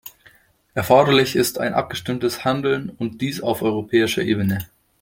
Erforderlich ist ein abgestimmtes Handeln, und dies auf europäischer Ebene.